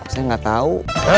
saya gak tau